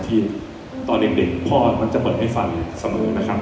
ตอนเด็กพ่อมักจะเปิดให้ฟังเสมอนะครับ